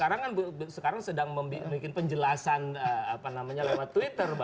ya andi arief sekarang kan sedang membuat penjelasan apa namanya lewat twitter